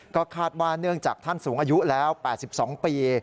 ก็คาดว่าเนื่องจากท่านสูงอายุแล้ว๘๒ปี